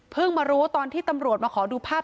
มารู้ตอนที่ตำรวจมาขอดูภาพ